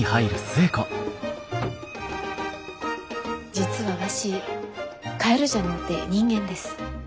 「実はわしカエルじゃのうて人間です」。